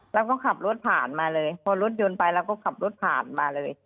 เราก็ขับรถผ่านมาเลยพอรถยนต์ไปเราก็ขับรถผ่านมาเลย